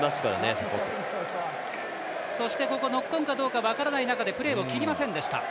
ここノックオンかどうか分からない中でプレーを切りませんでした。